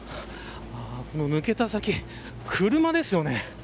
抜けた先、車ですよね。